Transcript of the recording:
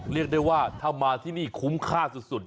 เรียกได้ว่าถ้ามาที่นี่คุ้มค่าสุด